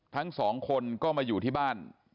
ทั้งสองคนก็มาอยู่ที่บ้าน